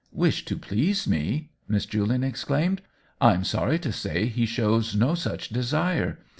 " Wish to please me !" Miss Julian ex claimed. "I'm sorry to say he shows no such desire.